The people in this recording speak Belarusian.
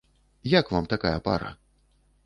Як вам такая пара?